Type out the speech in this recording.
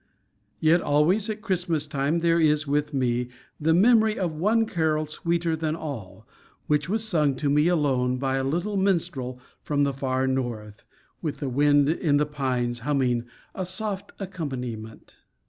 Yet always at Christmas time there is with me the memory of one carol sweeter than all, which was sung to me alone by a little minstrel from the far north, with the wind in the pines humming a soft accompaniment.